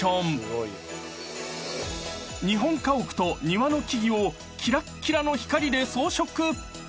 ［日本家屋と庭の木々をきらっきらの光で装飾］